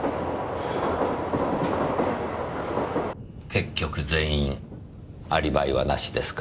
結局全員アリバイはなしですか。